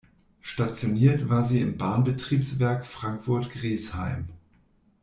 Stationiert war sie im Bahnbetriebswerk Frankfurt-Griesheim.